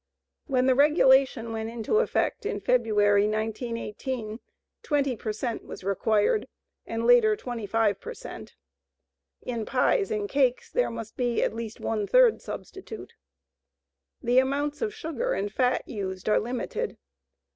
When the regulation went into effect in February, 1918, 20 per cent was required and later, 25 per cent. In pies and cakes there must be at least one third substitute. The amounts of sugar and fat used are limited.